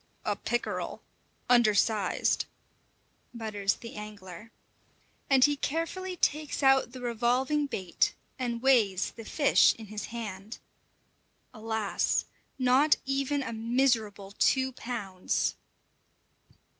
"A pickerel! undersized!" mutters the angler. And he carefully takes out the revolving bait and weighs the fish in his hand. Alas! not even a miserable two pounds!